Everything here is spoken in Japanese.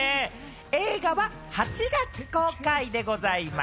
映画は８月公開でございます！